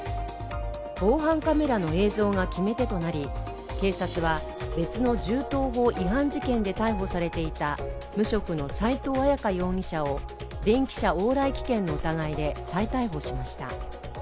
防犯カメラの映像が決め手となり警察は別の銃刀法違反事件で逮捕されていた無職の斉藤絢香容疑者を電汽車往来危険の疑いで再逮捕しました。